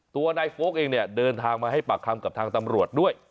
ตัวนายโฟลกเองเนี่ยเดินทางมาให้ปากคำกับทางตำรวจด้วย